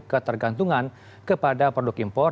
ketergantungan kepada produk impor